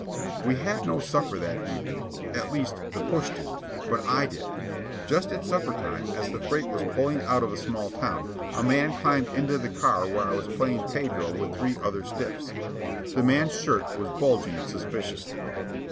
We had no supper that evening at least the "push" didn't, but I did. Just at supper time, as the freight was pulling out of a small town, a man climbed into the car where I was playing pedro with three other stiffs. The man's shirt was bulging suspiciously.